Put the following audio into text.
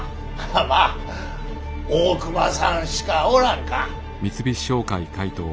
まぁ大隈さんしかおらんか。